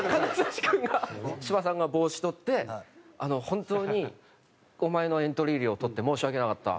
芝さんが帽子とって「本当にお前のエントリー料をとって申し訳なかった。